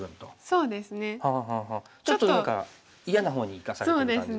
ちょっと何か嫌な方にいかされてる感じですね。